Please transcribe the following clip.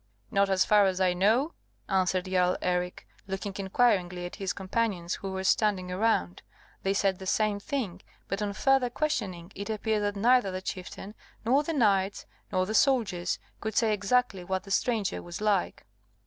"Not as far as I know," answered Jarl Eric, looking inquiringly at his companions, who were standing around. They said the same thing; but on farther questioning, it appeared that neither the chieftain, nor the knights, nor the soldiers, could say exactly what the stranger was like.